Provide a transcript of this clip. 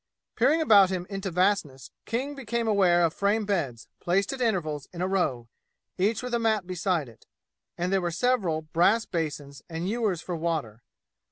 Peering about him into vastness, King became aware of frame beds, placed at intervals in a row, each with a mat beside it. And there were several brass basins and ewers for water.